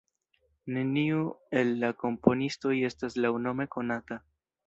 Neniu el la komponistoj estas laŭnome konata.